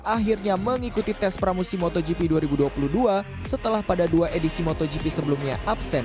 akhirnya mengikuti tes pramusim motogp dua ribu dua puluh dua setelah pada dua edisi motogp sebelumnya absen